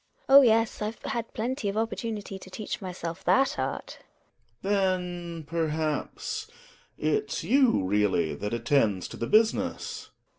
GiNA. Oh, yes! I've had plenty of opportunity to teach myself that art. Gregers. Then, perhaps, it's you really that attend to the business